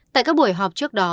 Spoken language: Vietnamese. tại các buổi họp trước đó